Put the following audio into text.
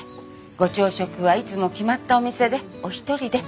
ご朝食はいつも決まったお店でお一人で。